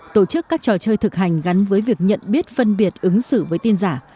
tổ chức các trò chơi thực hành gắn với việc nhận biết phân biệt ứng xử với tin giả